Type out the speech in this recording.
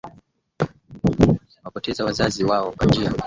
wapoteza wazazi wao kwa njia moja ama nyingine